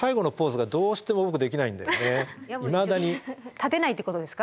立てないってことですか？